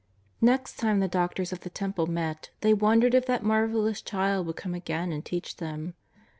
!N'ext time the doctors of the Temple met they won dered if that marvellous Child would come again and teach them.